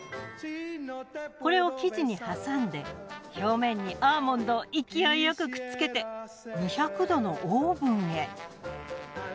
これを生地に挟んで表面にアーモンドを勢いよくくっつけて２００℃のオーブンへ。